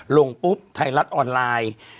ลงปุ๊บไทยรัฐออนไลน์